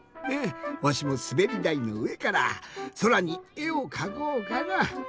わしもすべりだいのうえからそらにえをかこうかな。